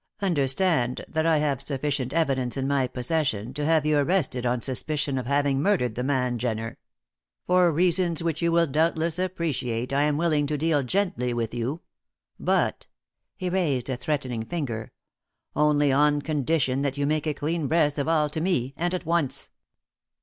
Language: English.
"Understand that I have sufficient evidence in my possession to have you arrested on suspicion of having murdered the man Jenner. For reasons which you will doubtless appreciate, I am willing to deal gently with you. But," he raised a threatening finger, "only on condition that you make a clean breast of all to me and at once."